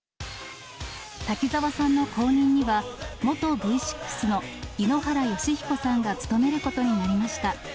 滝沢さんの後任には、元Ｖ６の井ノ原快彦さんが務めることになりました。